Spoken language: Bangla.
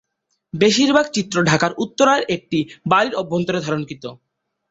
বেশীরভাগ চিত্র ঢাকার উত্তরায় একটি বাড়ির অভ্যন্তরে ধারণকৃত।